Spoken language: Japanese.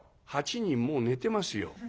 「８人もう寝てますよ」。